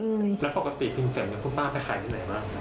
แล้วปกติพิเศษคุณป้าไปขายที่ไหนบ้าง